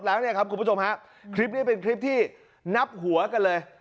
แล้วเนี่ยครับคุณผู้ชมฮะคลิปนี้เป็นคลิปที่นับหัวกันเลย